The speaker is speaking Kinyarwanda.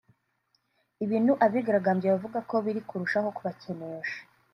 ibintu abigaragambya bavuga ko biri kurushaho kubakenesha